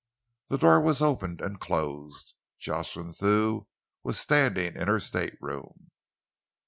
The door was opened and closed. Jocelyn Thew was standing in her stateroom.